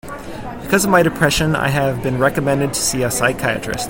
Because of my depression, I have been recommended to see a psychiatrist.